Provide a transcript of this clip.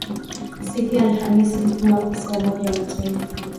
siku ya Alhamis huku maafisa wa Umoja wa Mataifa